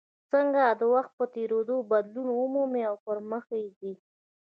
څنګه د وخت په تېرېدو بدلون مومي او پرمخ ځي.